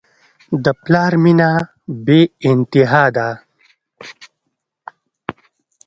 د پلار مینه بېانتها ده.